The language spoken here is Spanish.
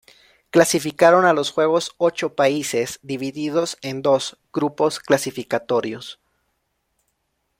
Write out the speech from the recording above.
Clasificaron a los Juegos ocho países, divididos en dos grupos clasificatorios.